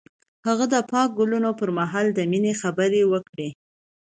هغه د پاک ګلونه پر مهال د مینې خبرې وکړې.